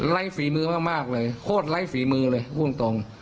ฝีมือมากเลยโคตรไร้ฝีมือเลยพูดตรง